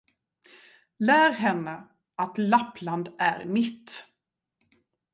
Lär henne, att Lappland är mitt!